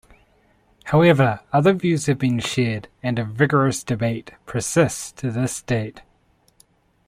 However, other views have been shared, and a vigorous debate persists to this date.